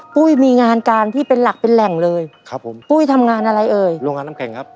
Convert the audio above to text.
ปุ้ยมีงานการที่เป็นหลักเป็นแหล่งเลยครับผมปุ้ยทำงานอะไรเอ่ยโรงงานน้ำแข็งครับ